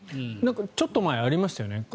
ちょっと前ありましたよね。